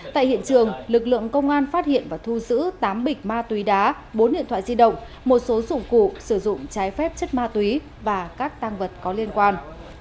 tại hiện trường lực lượng công an phát hiện và thu giữ tám bịch ma túy đá bốn điện thoại di động một số dụng cụ sử dụng trái phép chất ma túy và các tăng vật có liên quan